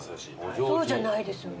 そうじゃないですよね。